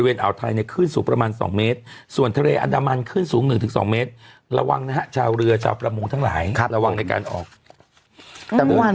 แวะ๑แวะ๑อ่านข่าวอยู่ประมาณ๒วันติดสอง๒วัน